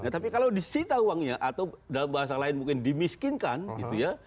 tapi kalau disita uangnya atau dalam bahasa lain mungkin dimiskinkan gitu ya